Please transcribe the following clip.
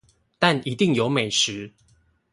但一定有美食